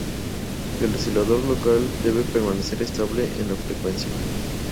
El oscilador local debe permanecer estable en la frecuencia.